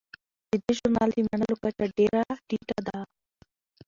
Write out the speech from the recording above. د دې ژورنال د منلو کچه ډیره ټیټه ده.